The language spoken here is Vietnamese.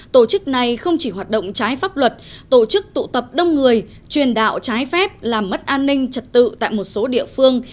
tổ chức này không chỉ hoạt động trái pháp luật tổ chức tụ tập đông người truyền đạo trái phép làm mất an ninh trật tự tại một số địa phương